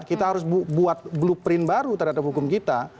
kita harus buat blueprint baru terhadap hukum kita